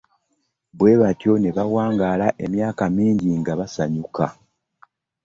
Bwe batyo ne bawangaala emyaka mingi nga basanyuka.